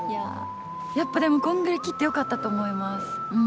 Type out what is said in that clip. やっぱでもこんぐらい切ってよかったと思います。